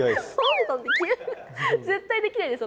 絶対できないです